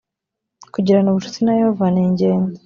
kugirana ubucuti na yehova ningenzi.